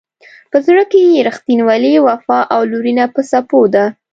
په زړه کې یې رښتینولي، وفا او لورینه په څپو ده.